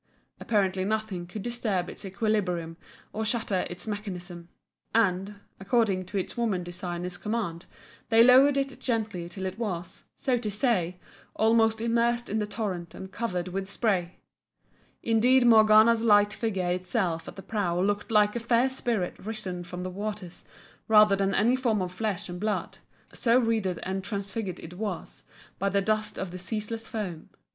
Apparently nothing could disturb its equilibrium or shatter its mechanism. And, according to its woman designer's command, they lowered it gently till it was, so to say, almost immersed in the torrent and covered with spray indeed Morgana's light figure itself at the prow looked like a fair spirit risen from the waters rather than any form of flesh and blood, so wreathed and transfigured it was by the dust of the ceaseless foam.